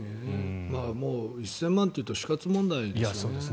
もう１０００万円というと死活問題ですよね。